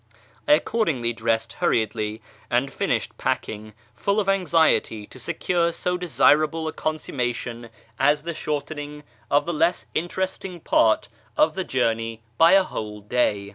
I accordingly dressed hurriedly, and finished packing, full of anxiety to secure so desirable a con summation as the shortening of the less interesting part of the journey by a whole day.